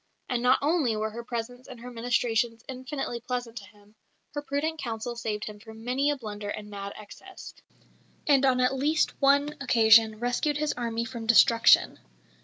And not only were her presence and her ministrations infinitely pleasant to him; her prudent counsel saved him from many a blunder and mad excess, and on at least one occasion rescued his army from destruction.